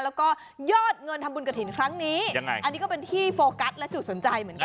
แล้วก็ยอดเงินทำบุญกระถิ่นครั้งนี้ยังไงอันนี้ก็เป็นที่โฟกัสและจุดสนใจเหมือนกัน